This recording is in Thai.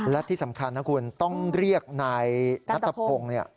และที่สำคัญนะคุณต้องเรียกนายนัทพงศ์